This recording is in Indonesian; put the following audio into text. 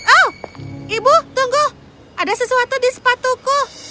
oh ibu tunggu ada sesuatu di sepatuku